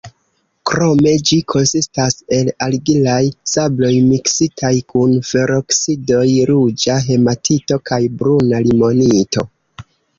Krome ĝi konsistas el argilaj sabloj miksitaj kun feroksidoj: ruĝa hematito kaj bruna limonito.